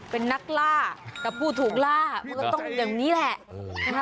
เป็นนักล่ากับผู้ถูกล่ามันก็ต้องอย่างนี้แหละ